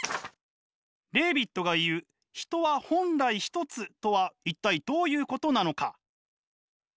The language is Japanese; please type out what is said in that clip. レーヴィットが言う「人は本来ひとつ」とは一体どういうことなのか？